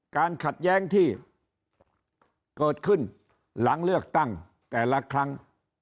ขัดแย้งที่เกิดขึ้นหลังเลือกตั้งแต่ละครั้ง